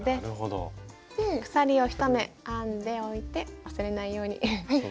鎖を１目編んでおいて忘れないように。